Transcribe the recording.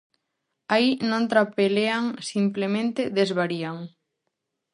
Aí non trapelean, simplemente desvarían.